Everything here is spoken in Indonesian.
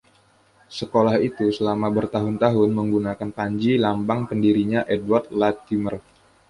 Sekolah itu selama bertahun-tahun menggunakan panji lambang pendirinya, Edward Latymer.